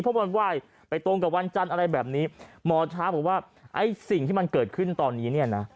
เพราะมันไหว้ไปตรงกับวันจันทร์อะไรแบบนี้หมอช้างบอกว่าไอ้สิ่งที่มันเกิดขึ้นตอนนี้เนี่ยนะ